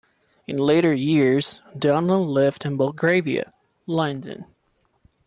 In later years, Donlan lived in Belgravia, London.